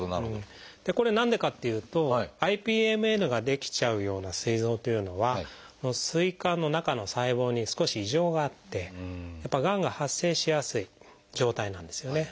これ何でかっていうとＩＰＭＮが出来ちゃうようなすい臓というのは膵管の中の細胞に少し異常があってやっぱりがんが発生しやすい状態なんですよね。